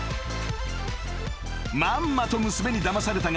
［まんまと娘にだまされたが］